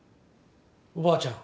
おばあちゃん